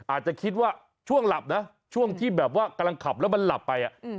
อาจจะคิดว่าช่วงหลับนะช่วงที่แบบว่ากำลังขับแล้วมันหลับไป